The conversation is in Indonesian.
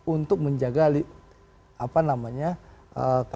untuk menjaga kondisi tetap on safe